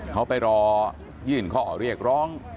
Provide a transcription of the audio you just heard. เขาไปรอยื่นข้อเรียกร้อง